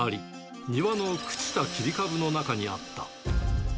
庭の朽ちた切り株の中にあった。